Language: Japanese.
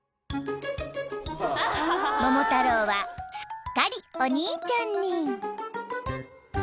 ［桃太郎はすっかりお兄ちゃんに］